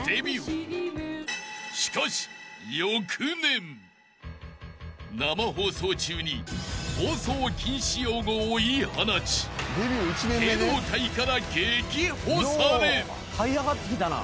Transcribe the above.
［しかし］［生放送中に放送禁止用語を言い放ち芸能界から］